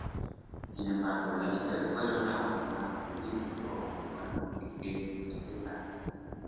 Sin embargo, la idea fue abandonada debido a su ocupada agenda.